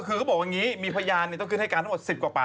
ขณะตอนอยู่ในสารนั้นไม่ได้พูดคุยกับครูปรีชาเลย